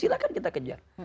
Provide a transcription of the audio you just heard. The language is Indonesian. sifatnya kita kejar